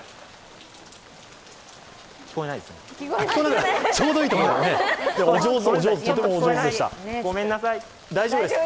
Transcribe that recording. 聞こえないです。